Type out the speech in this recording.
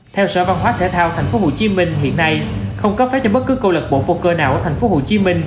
theo sở văn hóa thể thao tp hcm hiện nay không có phép cho bất cứ câu lật bộ poker nào ở tp hcm